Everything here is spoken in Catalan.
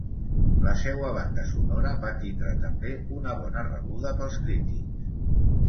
La seua banda sonora va tindre també una bona rebuda pels crítics.